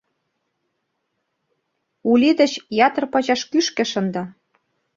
Ули деч ятыр пачаш кӱшкӧ шында.